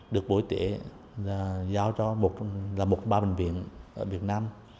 được bộ y tế giao cho một ba bệnh viện ở việt nam